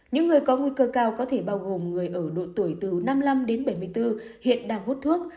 những người có nguy cơ cao có thể bao gồm người ở độ tuổi từ năm mươi năm đến bảy mươi bốn hiện đang hút thuốc